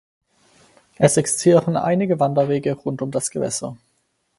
Es existieren einige Wanderwege rund um das Gewässer.